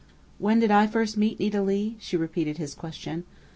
"When did I first meet Nita Leigh?" she repeated his question.